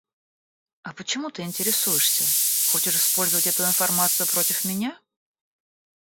А почему ты интересуешься? Хочешь использовать эту информацию против меня?